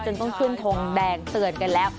ต้องขึ้นทงแดงเตือนกันแล้ว